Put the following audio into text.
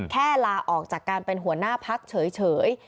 แค่ลาออกจากการเป็นหัวหน้าภักดิ์เฉย